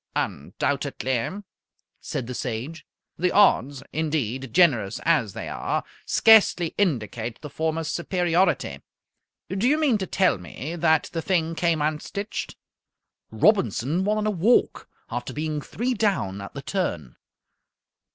"Undoubtedly," said the Sage. "The odds, indeed, generous as they are, scarcely indicate the former's superiority. Do you mean to tell me that the thing came unstitched?" "Robinson won in a walk, after being three down at the turn.